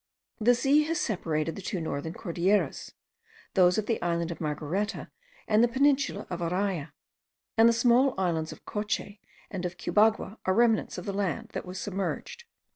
The sea has separated the two northern Cordilleras, those of the island of Margareta and the peninsula of Araya; and the small islands of Coche and of Cubagua are remnants of the land that was submerged.